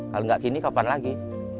kalau gak kini kapan lagi